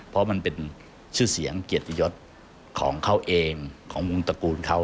เพราะมันเป็นชื่อเสียงเกียรติยศของเขาเองของวงตระกูลเขา